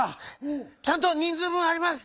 ちゃんと人ずうぶんあります！